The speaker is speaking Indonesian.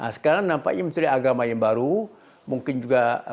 nah sekarang nampaknya menteri agama yang baru mungkin juga